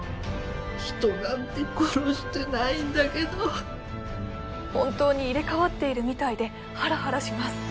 人なんて殺してないんだけど本当に入れ替わってるみたいでハラハラします